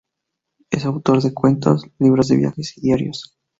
Es autor de cuentos, libros de viajes y diarios.